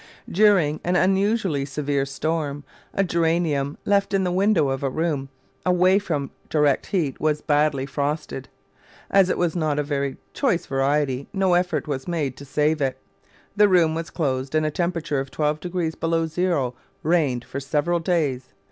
During an unusually severe storm, a Geranium left in the window of a room away from direct heat was badly frosted. As it was not a very choice variety no effort was made to save it. The room was closed, and a temperature of 12° below zero reigned for several days.